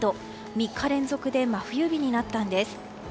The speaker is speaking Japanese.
３日連続で真冬日になったんです。